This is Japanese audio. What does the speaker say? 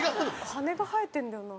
羽が生えてるんだよな。